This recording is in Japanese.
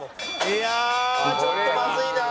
いやあちょっとまずいな！